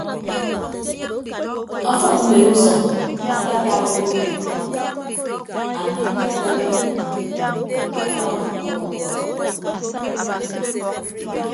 Afañ mben usʌñ atatap owo ọdʌk ikọt andidia adadia abaam ọkuọk ñkpọk.